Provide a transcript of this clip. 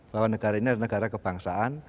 bahwa negara ini adalah negara kebangsaan